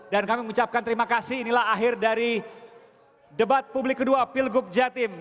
dan kami mengucapkan terima kasih inilah akhir dari debat publik kedua pilgub jatim